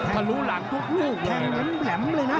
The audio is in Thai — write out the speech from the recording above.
ทะลุหลังทุกเลยนะ